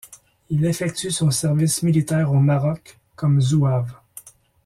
Il effectue son service militaire au Maroc comme zouave.